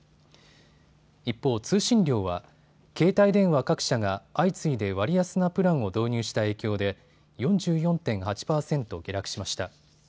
一方、通信料は携帯電話各社が相次いで割安なプランを導入した影響で４４．８％下落しました。